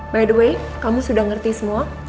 by the way kamu sudah ngerti semua